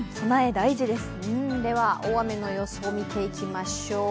では大雨の予想見ていきましょう。